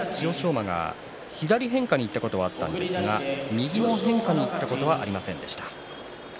馬が左変化にいったことがあったんですが右の変化にいったことはありませんでした。